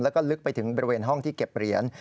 แล้วก็ลึกไปถึงบริเวณห้องที่เก็บเหรียญ